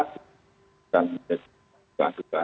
kita akan melakukan